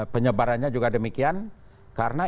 penyebarannya juga demikian karena